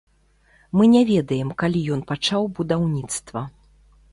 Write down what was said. Мы не ведаем, калі ён пачаў будаўніцтва.